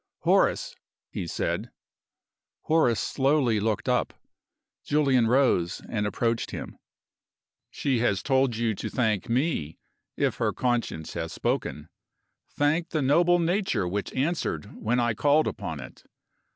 "Horace!" he said. Horace slowly looked up. Julian rose and approached him. "She has told you to thank me, if her conscience has spoken. Thank the noble nature which answered when I called upon it!